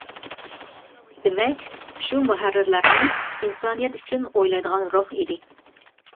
دېمەك، شۇ مۇھەررىرلەرمۇ ئىنسانىيەت ئۈچۈن ئويلايدىغان روھ ئىدى.